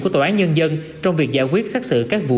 của tòa án nhân dân trong việc giải quyết xác xử các vụ án